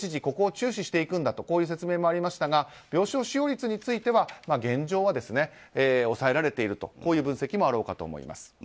ここを注視していくというこういう説明もありましたが病床使用率については現状は抑えられているという分析もあろうかと思います。